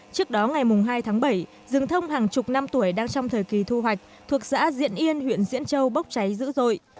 trước đó ngày hai tháng bảy rừng thông hàng chục năm tuổi đang trong thời kỳ thu hoạch thuộc xã diện yên huyện diễn châu bốc cháy dữ dội